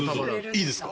いいですか？